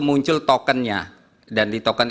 muncul tokennya dan di token